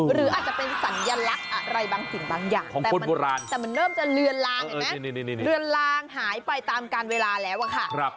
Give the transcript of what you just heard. หรืออาจจะเป็นสัญลักษณ์อะไรบางสิ่งบางอย่างแต่มันแต่มันเริ่มจะเลือนลางเห็นไหมเลือนลางหายไปตามการเวลาแล้วอะค่ะ